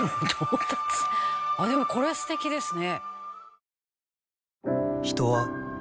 「でもこれ素敵ですね」